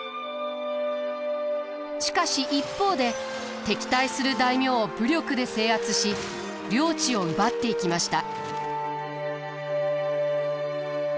しかし一方で敵対する大名を武力で制圧し領地を奪っていきました。